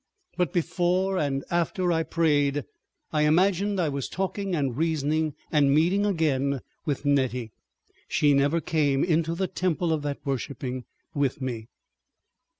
But before and after I prayed I imagined I was talking and reasoning and meeting again with Nettie. ... She never came into the temple of that worshiping with me.